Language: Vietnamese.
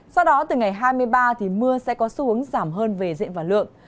sau đó từ ngày hai mươi ba thì mưa sẽ có xu hướng giảm hơn về diện và lượng